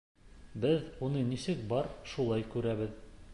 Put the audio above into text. Беҙ уны нисек бар, шулай күрәбеҙ!